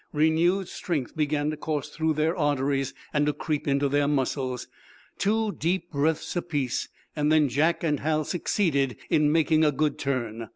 Renewed strength began to course through their arteries and to creep into their muscles. Two deep breaths apiece, and then Jack and Hal succeeded in making a good turn.